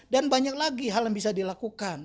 dan banyak lagi hal yang bisa dilakukan